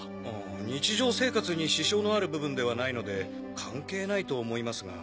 日常生活に支障のある部分ではないので関係ないと思いますが。